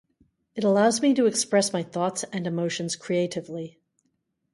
It allows me to express my thoughts and emotions creatively.